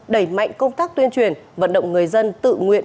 đẩy mạnh công tác tuyên truyền vận động người dân tự nguyện